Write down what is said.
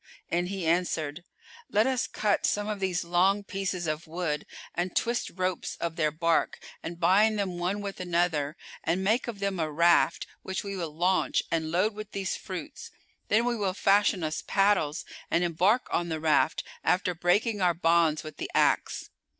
and he answered, "Let us cut some of these long pieces of wood, and twist ropes of their bark and bind them one with another, and make of them a raft[FN#406] which we will launch and load with these fruits: then we will fashion us paddles and embark on the raft after breaking our bonds with the axe.